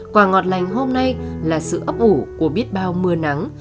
quả ngọt lành hôm nay là sự ấp ủ của biết bao mưa nắng